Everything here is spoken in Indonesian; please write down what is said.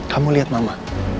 kamu lihat mama